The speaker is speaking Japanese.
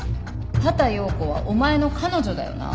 畑葉子はお前の彼女だよな？